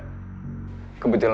kebetulan berada di bandung ya